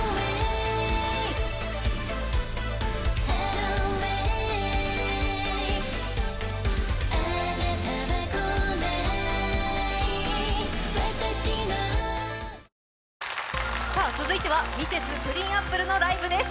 ライブ！」は続いてはＭｒｓ．ＧＲＥＥＮＡＰＰＬＥのライブです。